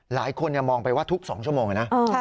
หลายคนมองไปว่าทุก๒ชั่วโมงนะ